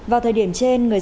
vào thời điểm trên